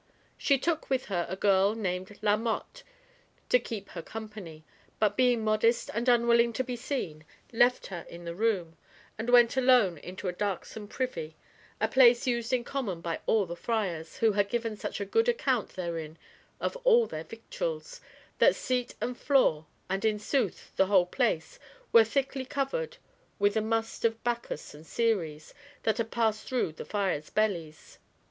She took with her a girl named La Mothe to keep her company, but being modest and unwilling to be seen, left her in the room, and went alone into a darksome privy, a place used in common by all the friars, who had given such a good account therein of all their victuals, that seat and floor, and in sooth the whole place, were thickly covered with the must of Bacchus and Ceres that had passed through the friars' bellies.